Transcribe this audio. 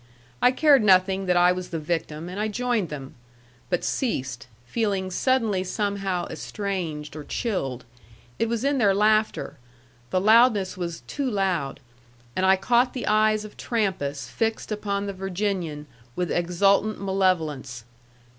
I cared nothing that I was the victim, and I joined them; but ceased, feeling suddenly somehow estranged or chilled. It was in their laughter. The loudness was too loud. And I caught the eyes of Trampas fixed upon the Virginian with exultant malevolence.